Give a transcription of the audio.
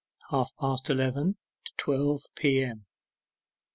HALF PAST ELEVEN TO TWELVE P.M.